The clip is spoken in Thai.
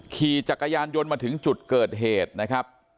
ขี่จักรยานยนต์มาถึงจุดเกิดเหตุนะครับ